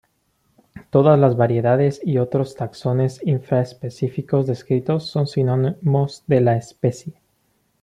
Todas las variedades y otros taxones infra-específicos descritos son sinónimos de la especie.